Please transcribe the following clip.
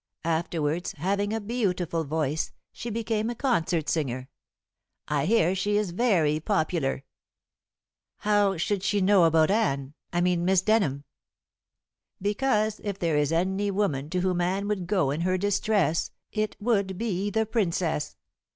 Afterwards, having a beautiful voice, she became a concert singer. I hear she is very popular." "How should she know about Anne I mean Miss Denham?" "Because if there is any woman to whom Anne would go in her distress, it would be the Princess.